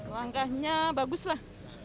langkahnya bagus lah